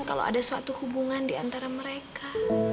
kalau ada suatu hubungan diantara mereka